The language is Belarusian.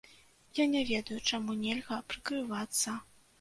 Я не ведаю, чаму нельга прыкрывацца.